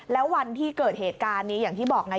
แล้ววันที่เกิดเหตุการณ์นี้อย่างที่บอกไง